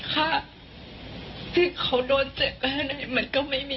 คำนี้ชื่อนี้อะไรเลย